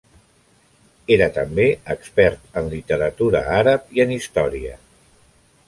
Era també expert en literatura àrab i en història.